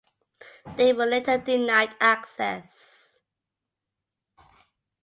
They were later denied access.